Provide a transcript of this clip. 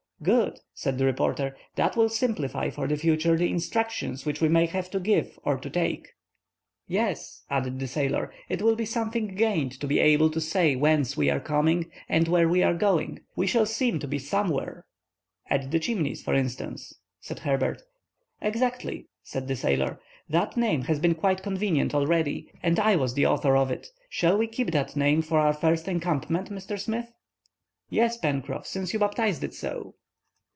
"Good," said the reporter. "That will simplify for the future the instructions which we may have to give or to take." "Yes," added the sailor, "it will be something gained to be able to say whence we are coming and where we are going. We shall seem to be somewhere." "At the Chimneys, for instance," said Herbert. "Exactly," said the sailor. "That name has been quite convenient already, and I was the author of it. Shall we keep that name for our first encampment, Mr. Smith?" "Yes, Pencroff, since you baptized it so."